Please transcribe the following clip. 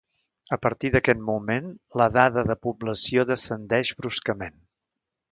A partir d'aquest moment, la dada de població descendeix bruscament.